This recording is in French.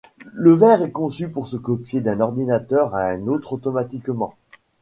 Le ver est conçu pour se copier d'un ordinateur à un autre automatiquement.